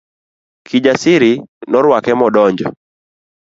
Kijasiri norwake modonjo.